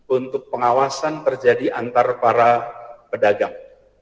untuk pengawasan terjadi antar para pedagang